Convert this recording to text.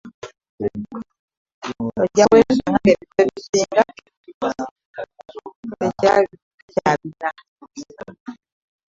Ojja kwesanga ng'ebintu ebisinga takyabirina.